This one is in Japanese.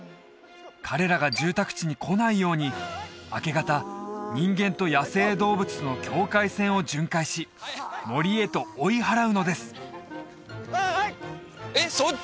彼らが住宅地に来ないように明け方人間と野生動物との境界線を巡回し森へと追い払うのですえっ